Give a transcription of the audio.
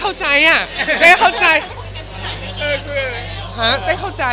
เข้าใจฉีกไต้เขาใจอ่ะ